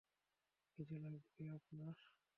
কিছু লাগবে আপনার?